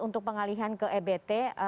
untuk pengalihan ke ebt